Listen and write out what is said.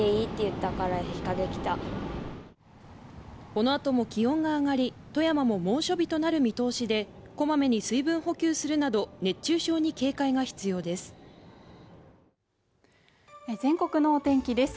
このあとも気温が上がり富山も猛暑日となる見通しでこまめに水分補給するなど熱中症に警戒が必要です全国のお天気です